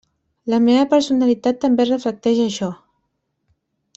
La meva personalitat també reflecteix això.